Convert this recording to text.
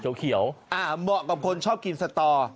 เหมาะกับคนชอบกินสตอ